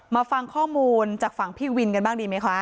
มาฟังข้อมูลจากฝั่งพี่วินกันบ้างดีไหมคะ